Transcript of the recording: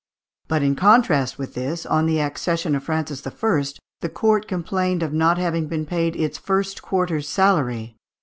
But in contrast with this, on the accession of Francis I., the court complained of not having been paid its first quarter's salary.